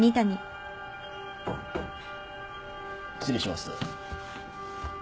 失礼します。